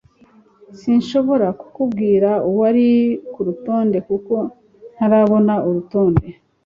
sinshobora kukubwira uwari kurutonde kuko ntarabona urutonde